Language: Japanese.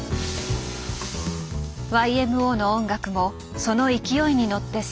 ＹＭＯの音楽もその勢いに乗って世界へ進出。